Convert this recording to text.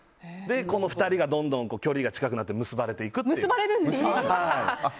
この２人が、どんどん距離が近くなって結ばれていくっていう。